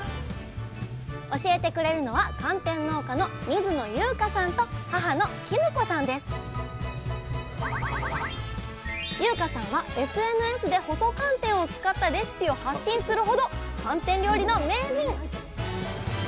教えてくれるのは優夏さんはＳＮＳで細寒天を使ったレシピを発信するほど寒天料理の名人！